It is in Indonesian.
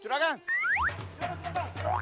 jangan bicara sopan